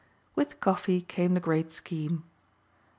With coffee came the great scheme.